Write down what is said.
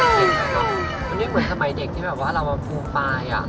นี่เหมือนสมัยเด็กที่แบบว่าเรามีปลายอะ